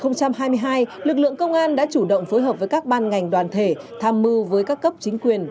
năm hai nghìn hai mươi hai lực lượng công an đã chủ động phối hợp với các ban ngành đoàn thể tham mưu với các cấp chính quyền